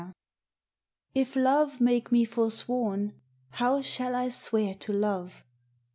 If love make me forsworn, how shall I swear to love?